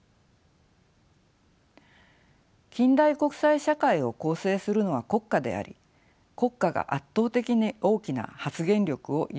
近代国際社会を構成するのは国家であり国家が圧倒的に大きな発言力を有しています。